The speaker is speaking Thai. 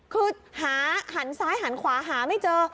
คือหาหันซ้ายหันขวาหาไม่เจอ